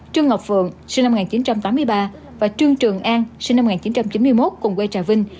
trương ngọc phượng sinh năm một nghìn chín trăm tám mươi ba và trương trường an sinh năm một nghìn chín trăm chín mươi một cùng quê trà vinh